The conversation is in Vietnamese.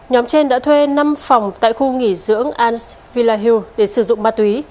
nhóm trên đã thuê năm phòng tại khu nghỉ dưỡng anse villa hill để sử dụng ma túy